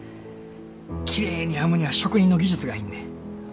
きれいに編むには職人の技術が要んねん。